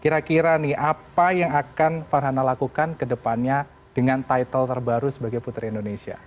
kira kira nih apa yang akan farhana lakukan ke depannya dengan title terbaru sebagai putri indonesia